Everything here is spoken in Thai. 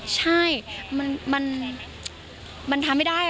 ใช่มันทำไม่ได้